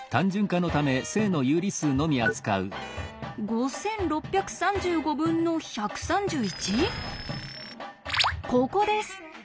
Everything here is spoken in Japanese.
５６３５分の１３１？ココです！